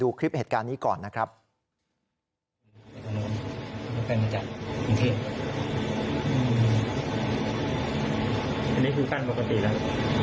อืมอันนี้คือกั้นปกติแล้ว